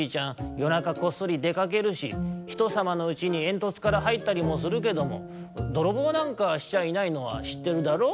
なかこっそりでかけるしひとさまのうちにえんとつからはいったりもするけどもどろぼうなんかしちゃいないのはしってるだろう？